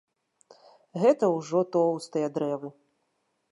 Гэта ўжо тоўстыя дрэвы.